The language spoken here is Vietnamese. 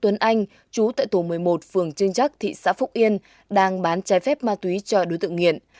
trước khi xuất hiện bắt quả tăng đối tượng nguyễn tuấn anh chú tại tù một mươi một phường trương trắc thị xã phúc yên đang bán trái phép ma túy cho đối tượng nghiện